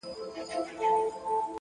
د حقیقت رڼا پټېدلی نه شي.